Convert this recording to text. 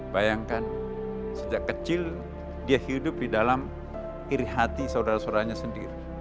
bayangkan sejak kecil dia hidup di dalam iri hati saudara saudaranya sendiri